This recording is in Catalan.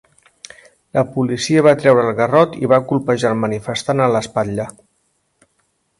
El policia va treure el garrot i va colpejar el manifestant a l'espatlla.